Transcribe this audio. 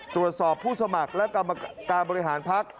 ตรวจสอบผู้สมัครและกรรมการบริหารพัก